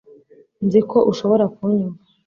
nzi ko ushobora kunyumva